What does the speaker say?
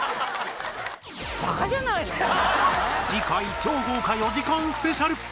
次回超豪華４時間スペシャル